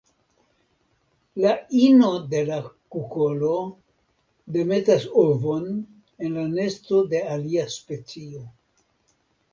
La ino de la kukolo demetas ovon en la nesto de alia specio.